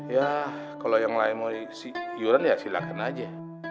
ya kalau yang lain mau siuran ya silahkan aja